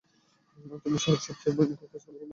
তুমি শহরের সবচেয়ে ভয়ঙ্কর বসের হয়ে কাজ করোঃ হোয়াইট ডেথ।